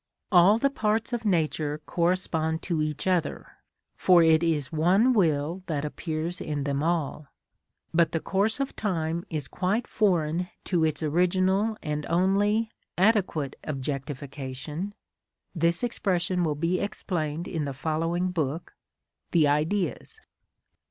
All the parts of nature correspond to each other, for it is one will that appears in them all, but the course of time is quite foreign to its original and only adequate objectification (this expression will be explained in the following book), the Ideas.